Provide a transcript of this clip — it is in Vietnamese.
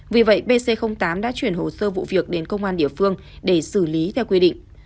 vì vậy pc tám đã chuyển hồ sơ vụ việc đến công an địa phương để xử lý theo quy định